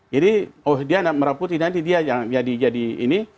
jadi oh dia anak merah putih nanti dia jadi ini